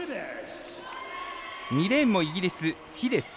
２レーンもイギリス、フィデス。